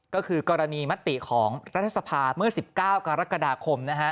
ก็คือกรณีมติของรัฐสภาเมื่อ๑๙กรกฎาคม